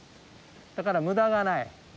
だから無駄がない。